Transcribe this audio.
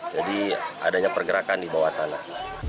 jadi adanya pergerakan di bawah tanah